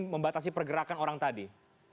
membatasi pergerakan orang tadi